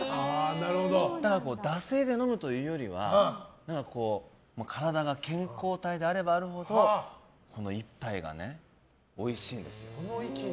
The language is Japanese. だから惰性で飲むというよりは体が健康体であればあるほどその域に来てるんだ。